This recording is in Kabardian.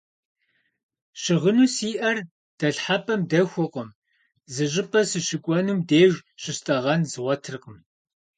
Щыгъыну сиӏэр дэлъхьэпӏэм дэхуэкъым, зы щӏыпӏэ сыщыкӏуэнум деж щыстӏэгъэн згъуэтыркъым.